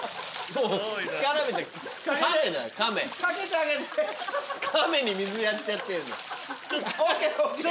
亀に水やっちゃってんの。